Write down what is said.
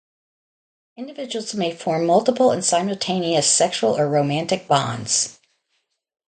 Individuals may form multiple and simultaneous sexual or romantic bonds.